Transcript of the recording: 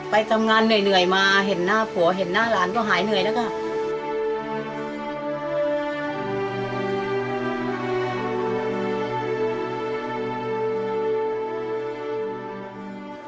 ไปทำงานเหนื่อยมาเห็นหน้าผัวเห็นหน้าหลานก็หายเหนื่อยแล้วค่ะ